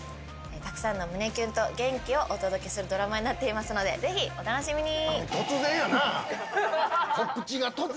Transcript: たくさんの胸キュンと元気をお届けするドラマになっていますのでぜひお楽しみに。